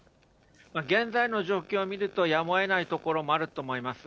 現在の状況を見ると、やむを得ないところもあると思います。